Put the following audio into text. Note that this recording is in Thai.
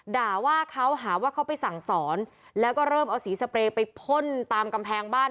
ด่าว่าเขาหาว่าเขาไปสั่งสอนแล้วก็เริ่มเอาสีสเปรย์ไปพ่นตามกำแพงบ้าน